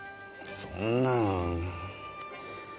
そんなぁ。